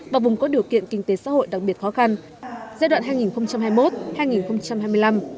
và vùng có điều kiện kinh tế xã hội đặc biệt khó khăn giai đoạn hai nghìn hai mươi một hai nghìn hai mươi năm